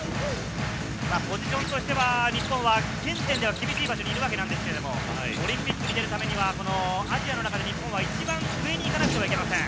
ポジションとしては日本は現時点では厳しい場所にいるわけですが、オリンピックに出るためにはアジアの中で日本は一番上に行かなくてはいけません。